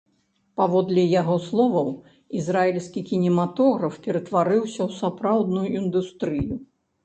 Паводле яго словаў, ізраільскі кінематограф ператварыўся ў сапраўдную індустрыю.